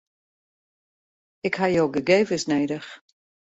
Ik ha jo gegevens nedich.